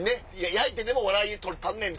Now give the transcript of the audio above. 焼いてでも笑い取ったんねん！